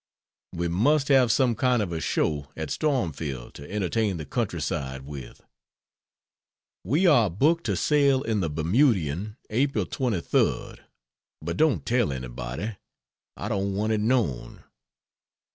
We must have some kind of a show at "Stormfield" to entertain the countryside with. We are booked to sail in the "Bermudian" April 23rd, but don't tell anybody, I don't want it known.